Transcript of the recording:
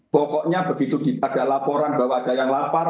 pokoknya begitu ada laporan bahwa ada yang lapar